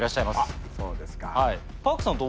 あっそうですか。